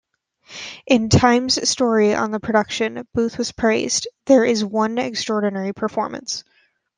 In "Time"'s story on the production, Boothe was praised: "There is one extraordinary performance.